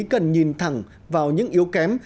cần nhìn thẳng vào những yếu kém